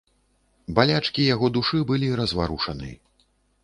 Балячкі яго душы былі разварушаны.